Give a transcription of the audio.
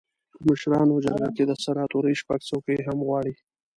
په مشرانو جرګه کې د سناتورۍ شپږ څوکۍ هم غواړي.